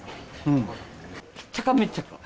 しっちゃかめっちゃか。